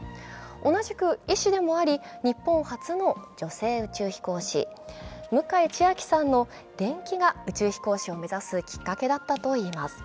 同じく医師でもあり、日本初の女性宇宙飛行士・向井千秋さんの伝記が宇宙飛行しを目指すきっかけだったといいます。